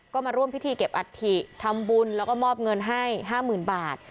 ก็มาร่วมพิธีเก็บอัฐิทำบุญแล้วก็มอบเงินให้๕๐๐๐บาท